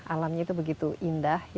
alamnya itu begitu indah